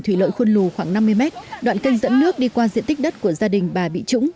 thủy lợi khuôn lù khoảng năm mươi mét đoạn kênh dẫn nước đi qua diện tích đất của gia đình bà bị trũng